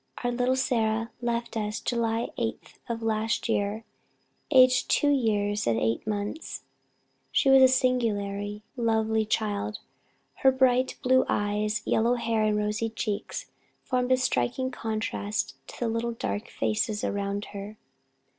"Our little Sarah left us July 8th of last year aged 2 years and 8 months.... She was a singularly lovely child. Her bright blue eyes, yellow hair, and rosy cheeks, formed a striking contrast to the dark little faces around her....